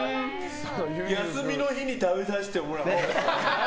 休みの日に食べさせてもらおうかな。